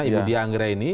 ibu diang reini